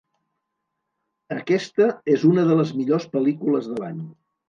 Aquesta és una de les millors pel·lícules de l"any.